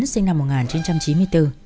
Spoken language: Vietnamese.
sinh năm một nghìn chín trăm chín mươi bốn